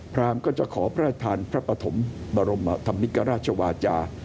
รามก็จะขอพระทานพระปฐมบรมธรรมิกราชวาจา